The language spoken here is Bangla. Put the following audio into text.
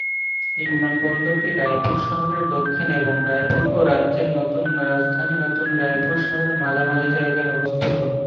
এই বিমানবন্দরটি রায়পুর শহরের দক্ষিণে এবং রায়পুর ও রাজ্যের নতুন রাজধানী নতুন রায়পুর শহরের মাঝামাঝি জায়গায় অবস্থিত।